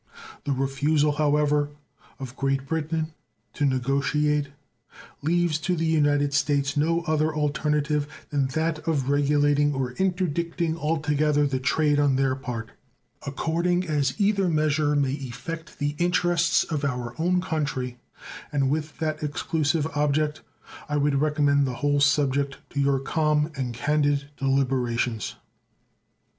The refusal, however, of Great Britain to negotiate leaves to the United States no other alternative than that of regulating or interdicting altogether the trade on their part, according as either measure may effect the interests of our own country, and with that exclusive object I would recommend the whole subject to your calm and candid deliberations.